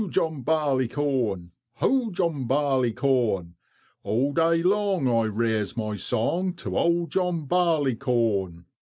John Barleycorn: Ho! John Barleycorn, All day long I raise my song To old John Barleycorn."